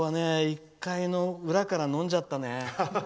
１回の裏から飲んじゃったね。